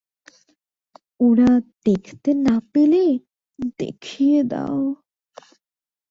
ওরা দেখতে না পেলে, দেখিয়ে দাও।